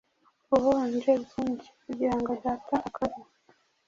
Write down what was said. uhonje byinhi kugirango Data akore